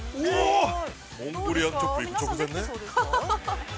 ◆モンゴリアンチョップ直前ね？